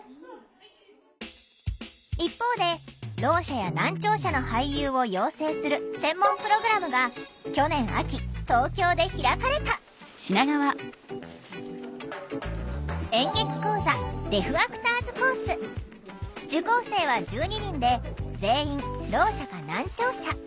一方でろう者や難聴者の俳優を養成する専門プログラムが去年秋東京で開かれた演劇講座受講生は１２人で全員ろう者か難聴者。